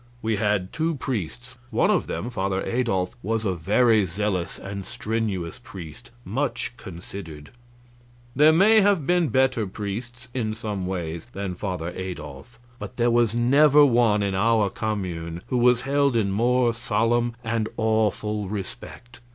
We had two priests. One of them, Father Adolf, was a very zealous and strenuous priest, much considered. There may have been better priests, in some ways, than Father Adolf, but there was never one in our commune who was held in more solemn and awful respect.